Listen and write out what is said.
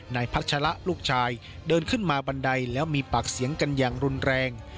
พัชละลูกชายเดินขึ้นมาบันไดแล้วมีปากเสียงกันอย่างรุนแรง